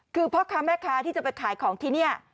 คือพ่อค้าแม่ค้าที่จะไปขายของที่นี่